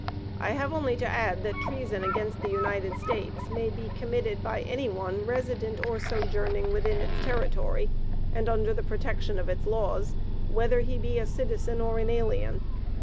I have only to add that treason against the United States, may be committed by any one resident or sojourning within its territory, and under the protection of its laws, whether he be a citizen or an alien.